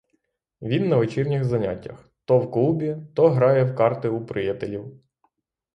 Він на вечірніх заняттях, то в клубі, то грає в карти у приятелів.